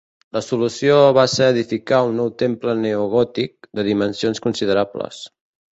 La solució va ser edificar un nou temple neogòtic, de dimensions considerables.